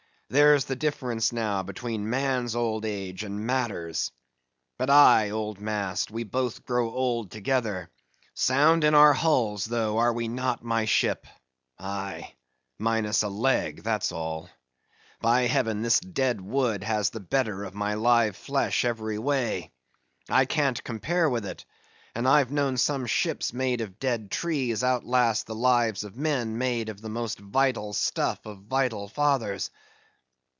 There's the difference now between man's old age and matter's. But aye, old mast, we both grow old together; sound in our hulls, though, are we not, my ship? Aye, minus a leg, that's all. By heaven this dead wood has the better of my live flesh every way. I can't compare with it; and I've known some ships made of dead trees outlast the lives of men made of the most vital stuff of vital fathers.